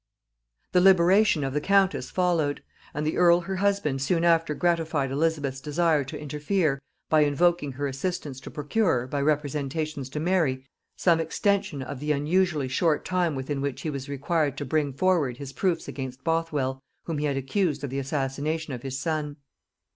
"]The liberation of the countess followed; and the earl her husband soon after gratified Elizabeth's desire to interfere, by invoking her assistance to procure, by representations to Mary, some extension of the unusually short time within which he was required to bring forward his proofs against Bothwell, whom he had accused of the assassination of his son.